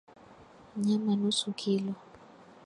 Nyama nusu kilo